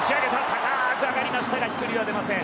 高く上がりましたが飛距離は出ません。